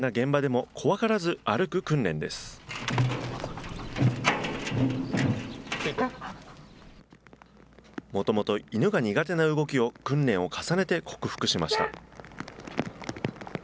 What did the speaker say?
もともと犬が苦手な動きを、訓練を重ねて克服しました。